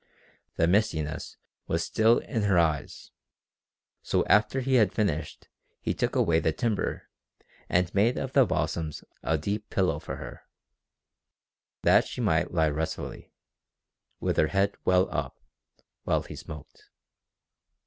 The mistiness was still in her eyes, so after he had finished he took away the timber and made of the balsams a deep pillow for her, that she might lie restfully, with her head well up, while he smoked.